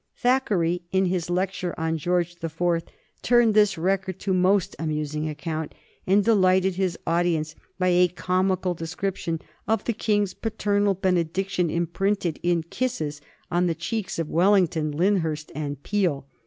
Thackeray, in his lecture on George the Fourth, turned this record to most amusing account, and delighted his audience by a comical description of the King's paternal benediction imprinted in kisses on the cheeks of Wellington, Lyndhurst, and Peel.